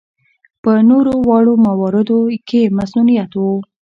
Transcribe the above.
په نورو واړه مواردو کې مصنوعیت و.